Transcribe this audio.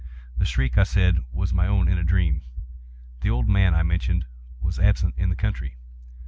The shriek, I said, was my own in a dream. The old man, I mentioned, was absent in the country.